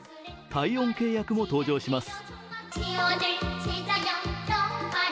体温計役も登場します。